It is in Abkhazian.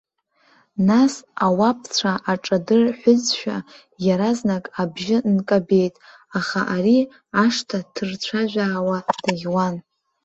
Нас, ауапцәа аҿадырҳәызшәа, иаразнак абжьы нкабеит, аха ари ашҭа ҭырцәажәаауа даӷьуан.